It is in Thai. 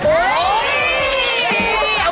สวัสดีครับสวัสดีครับ